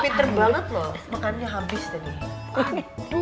pinter banget loh makannya habis tadi